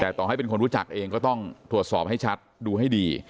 แต่ต่อให้เป็นคนรู้จักเองก็ต้องตรวจสอบให้ชัดดูให้ดี